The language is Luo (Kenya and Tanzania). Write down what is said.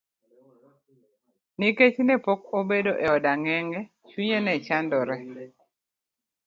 Nikech ne pok obedo e od ang'enge, chunye nechandore.